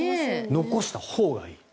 残したほうがいい。